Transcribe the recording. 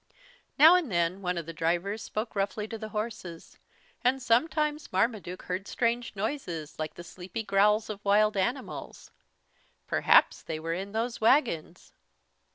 Now and then one of the drivers spoke roughly to the horses. And sometimes Marmaduke heard strange noises like the sleepy growls of wild animals. Perhaps they were in those wagons!